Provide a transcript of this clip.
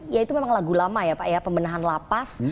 ya itu memang lagu lama ya pak ya pembenahan lapas